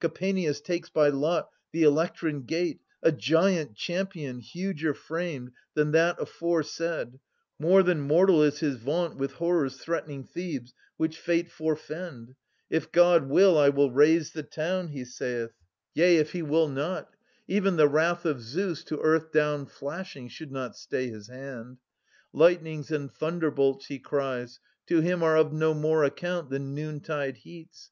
y Kapaneus takes by lot the Elektran gate, A giant champion, huger framed than that Aforesaid : more than mortal is his vaunt With horrors threatening Thebes, which Fate fore fend !* If God will, I will raze the town,' he saith. \ ^2 JESCHYLUS. * Yea, if he will not ! '—Even the Wrath of Zeus To earth down flashing, should not stay his hand. Lightnings and thunderbolts, he cries, to him 430 Are of no more account than noontide heats.